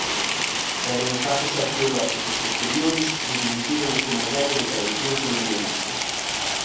Pero os datos arqueolóxicos posteriores desmentiron este modelo de tradición colonialista.